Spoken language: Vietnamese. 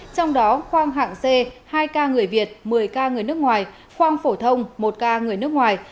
trong đó khoang hạng c hai ca người việt một mươi ca người nước ngoài khoang phổ thông một ca người nước ngoài